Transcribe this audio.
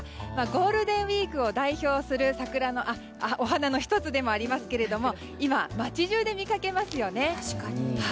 ゴールデンウィークを代表するお花の１つでもありますけど今、街中で見かけますよね。